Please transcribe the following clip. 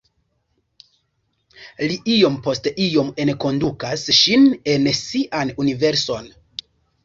Li iom post iom enkondukas ŝin en sian universon.